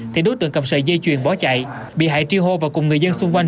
thì đối tượng cầm sợi dây chuyền bỏ chạy bị hại tri hô và cùng người dân xung quanh